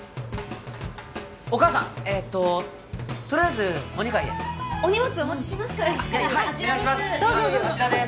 お母さんえーととりあえずお二階へお荷物お持ちしますからあちらです